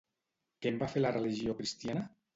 Què en va fer la religió cristiana?